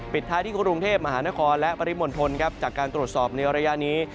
ท้ายที่กรุงเทพมหานครและปริมณฑลครับจากการตรวจสอบในระยะนี้